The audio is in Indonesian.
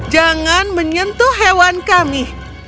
jangan menyentuh hewan kami